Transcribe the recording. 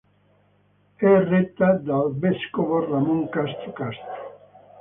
È retta dal vescovo Ramón Castro Castro.